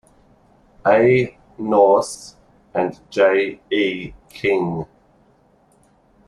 A. Knauss and J. E. King.